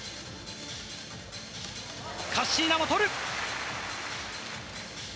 カッシーナも取る。